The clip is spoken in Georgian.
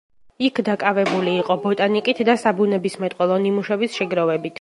იქ დაკავებული იყო ბოტანიკით და საბუნებისმეტყველო ნიმუშების შეგროვებით.